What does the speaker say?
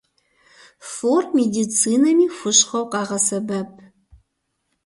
Фор медицинэми хущхъуэу къагъэсэбэп.